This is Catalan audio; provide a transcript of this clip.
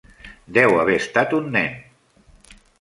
Deu haver estat un nen.